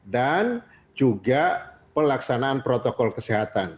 juga pelaksanaan protokol kesehatan